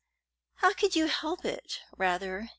"How could you help it, rather?"